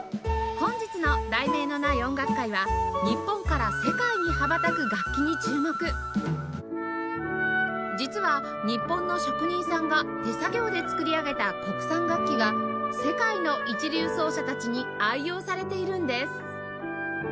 本日の『題名のない音楽会』は実は日本の職人さんが手作業で作り上げた国産楽器が世界の一流奏者たちに愛用されているんです